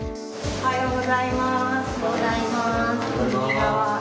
おはようございます。